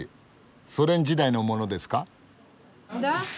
ソ連時代のものですか？